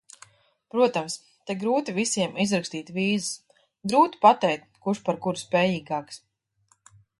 Protams, te grūti visiem izrakstīt vīzas, grūti pateikt, kurš par kuru spējīgāks.